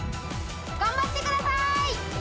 頑張ってください！